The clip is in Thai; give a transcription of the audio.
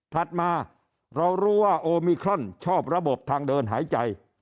ถัดมาเรารู้ว่าโอมิครอนชอบระบบทางเดินหายใจ